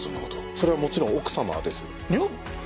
それはもちろん奥様です。